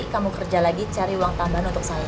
kamu kerja lagi cari uang tambahan untuk saya